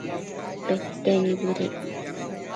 pete nibëdec